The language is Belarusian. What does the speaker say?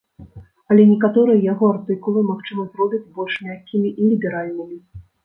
Але некаторыя яго артыкулы, магчыма, зробяць больш мяккімі і ліберальнымі.